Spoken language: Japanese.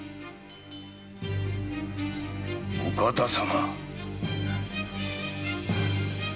お方様！